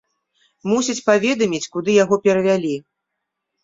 Мусяць паведаміць, куды яго перавялі.